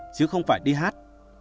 chứ không phải đi hát